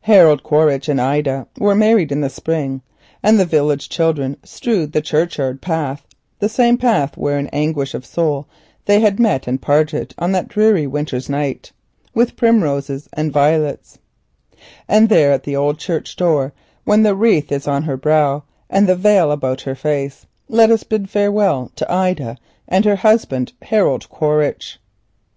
Harold Quaritch and Ida were married in the spring and the village children strewed the churchyard path with primroses and violets—the same path where in anguish of soul they had met and parted on that dreary winter's night. And there at the old church door, when the wreath is on her brow and the veil about her face, let us bid farewell to Ida and her husband, Harold Quaritch.